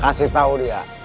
kasih tau dia